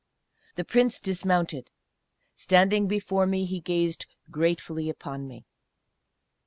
The Prince dismounted; standing before me, he gazed gratefully upon me.